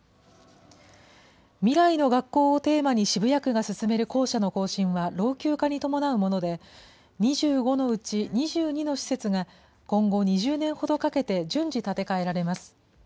未来の学校をテーマに渋谷区が進める校舎の更新は、老朽化に伴うもので、２５のうち２２の施設が、今後２０年ほどかけて順次建て替えられます。